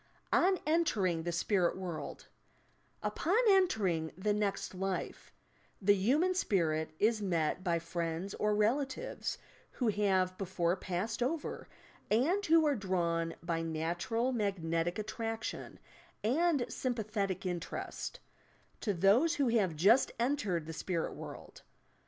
ON BNTBKINQ THE SPnUT WOULD Upon entering the next life, the human spirit is met by friends or relatives who have before passed over and who are drawn, by natural magnetic attraction and sympathetic interest to those who have just entered the "Spirit World."